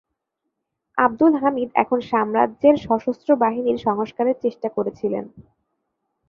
আবদুল হামিদ এখন সাম্রাজ্যের সশস্ত্র বাহিনীর সংস্কারের চেষ্টা করেছিলেন।